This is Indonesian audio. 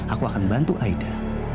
aku akan bantu aida